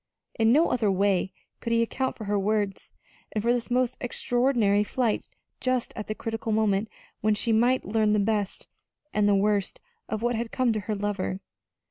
In no other way could he account for her words, and for this most extraordinary flight just at the critical moment when she might learn the best and the worst of what had come to her lover.